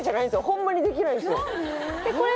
ホンマにできないんですよ・何で？